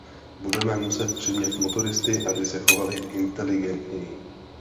Budeme muset přimět motoristy, aby se chovali inteligentněji.